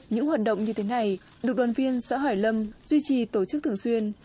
những hoạt động như thế này được đoàn viên xã hải lâm duy trì tổ chức thường xuyên